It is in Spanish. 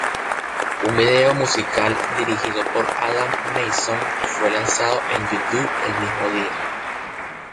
Un vídeo musical dirigido por Adam Mason fue lanzado en YouTube el mismo día.